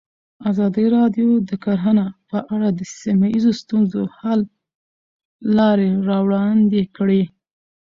ازادي راډیو د کرهنه په اړه د سیمه ییزو ستونزو حل لارې راوړاندې کړې.